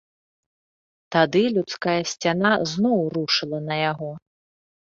Тады людская сцяна зноў рушыла на яго.